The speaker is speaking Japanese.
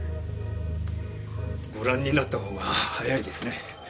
ご覧になったほうが早いですね。